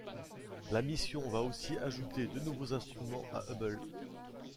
La mission va aussi ajouter deux nouveaux instruments à Hubble.